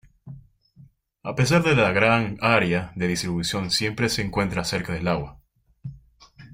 A pesar de la gran área de distribución siempre se encuentra cerca del agua.